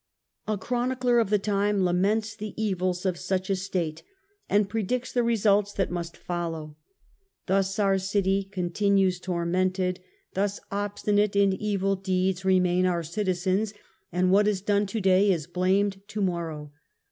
A chronicler of the time laments the evils of such a state and predicts the results that must follow. " Thus our city continues tormented ; thus obstinate 46 THE END OF THE MIDDLE AGE in evil deeds remain our citizens ; and what is done to day is blamed to morrow.